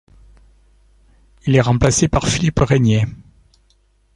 Il est remplacé par Philippe Régnier.